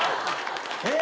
えっ？